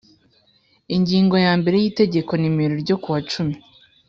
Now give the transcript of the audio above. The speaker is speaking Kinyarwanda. Ingingo ya mbere y Itegeko nimro ryo ku wa cumi